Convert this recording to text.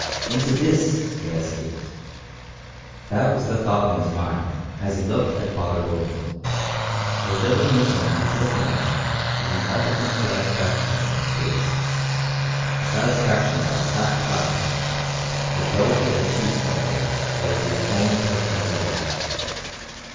Into this he had escaped! That was the thought in his mind as he looked at Father Roland. The Little Missioner was looking at him with an effulgent satisfaction in his face, a satisfaction that was half pride, as though he had achieved something that was to his own personal glory.